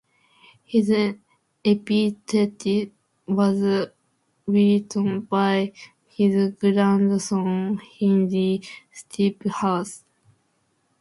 His epitaph was written by his grandson Henry Stephanus.